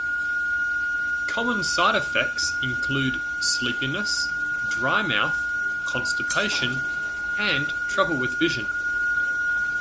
Common side effects include sleepiness, dry mouth, constipation, and trouble with vision.